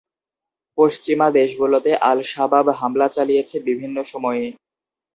পশ্চিমা দেশগুলোতে আল-শাবাব হামলা চালিয়েছে বিভিন্ন সময়ে।